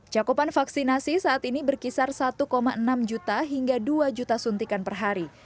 cakupan vaksinasi saat ini berkisar satu enam juta hingga dua juta suntikan per hari